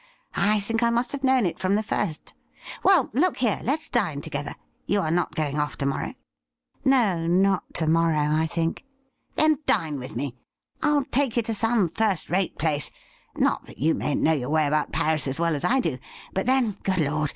I think I ; must have known it from the first. Well, look here, let's dine together. You are not going off to morrow ?'' No, not to morrow, I think.' 'Then dine with me. I'll take you to some first rate place — not that you mayn't know your way about Paris as well as I do ; but, then, good Lord